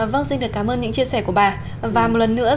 vâng xin được cảm ơn những chia sẻ của bà và một lần nữa